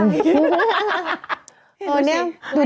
แต่ควรนี่ดูดิ